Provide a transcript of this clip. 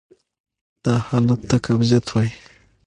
دا حالت ته قبضیت وایې.